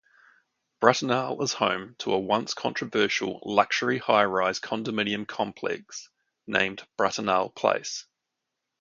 Bratenahl is home to a once controversial luxury high-rise condominium complex named Bratenahl Place.